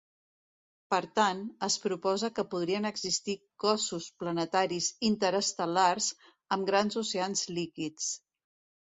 Per tant, es proposa que podrien existir cossos planetaris interestel·lars amb grans oceans líquids.